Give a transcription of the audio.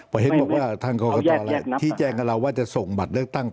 ประเภทบอกว่าทางโครงคตราที่แจ้งกับเราว่าจะส่งบัตรเลือกตั้ง